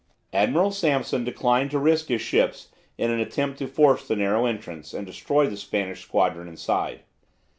Admiral Sampson declined to risk his ships in an attempt to force the narrow entrance and destroy the Spanish squadron inside.